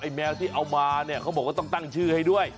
แมวที่เอามาเนี่ยเขาบอกว่าต้องตั้งชื่อให้ด้วย